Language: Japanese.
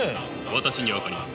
私には分かります。